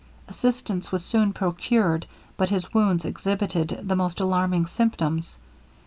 Assistance was soon procured, but his wounds exhibited the most alarming symptoms.